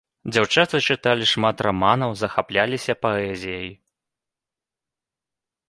Дзяўчаты чыталі шмат раманаў, захапляліся паэзіяй.